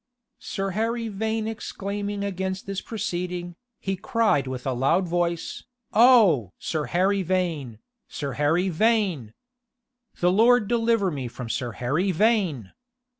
Sir Harry Vane exclaiming against this proceeding, he cried with a loud voice, "O! Sir Harry Vane, Sir Harry Vane! The Lord deliver me from Sir Harry Vane!"